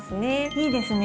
いいですね